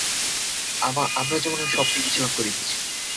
আমরা যেন স্বপ্নে বিচরণ করিতেছি।